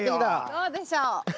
どうでしょう？